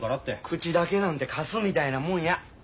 口だけなんてカスみたいなもんや。